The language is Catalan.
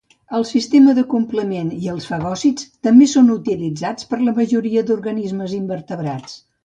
El sistema del complement i els fagòcits també són utilitzats per la majoria d'organismes invertebrats.